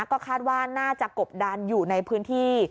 ก็คาดว่าน่าจะกบดันอยู่ในพื้นที่